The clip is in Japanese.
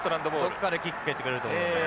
どこかでキックを蹴ってくると思います。